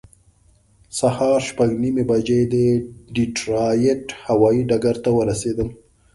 سهار شپږ نیمې بجې د ډیټرایټ هوایي ډګر ته ورسېدم.